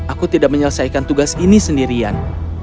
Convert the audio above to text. aku tidak menyelesaikan tugas ini sendirian